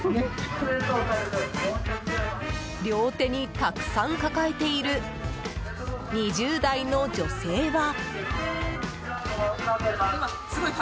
両手にたくさん抱えている２０代の女性は。